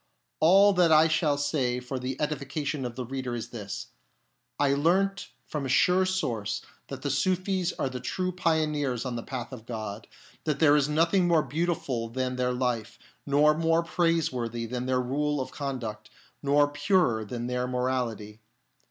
All that I shall say for the edification of the reader is this : I learnt from a sure source that the Sufis are the true pioneers on the path of God ; that there is nothing more beautiful than their life, nor more praiseworthy than their rule of conduct, nor purer than their morality.